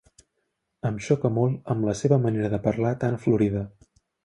Em xoca molt amb la seva manera de parlar tan florida.